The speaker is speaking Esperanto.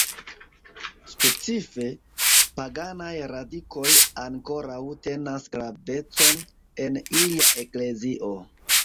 Specife, paganaj radikoj ankoraŭ tenas gravecon en ilia eklezio.